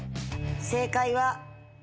正解は。